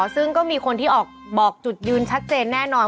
ซึ่งก็มีคนที่ออกบอกจุดยืนชัดเจนแน่นอน